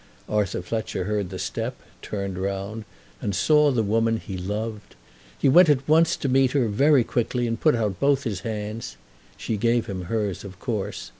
Arthur Fletcher heard the step, turned round, and saw the woman he loved. He went at once to meet her, very quickly, and put out both his hands. She gave him hers, of course.